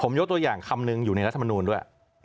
ผมยกตัวอย่างคำหนึ่งอยู่ในรัฐมนูลด้วย